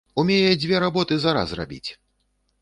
Умее дзве работы зараз рабіць.